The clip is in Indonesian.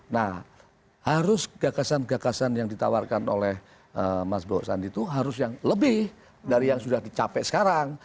nah harus gagasan gagasan yang ditawarkan oleh mas bowo sandi itu harus yang lebih dari yang sudah dicapai sekarang